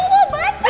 ibu mau baca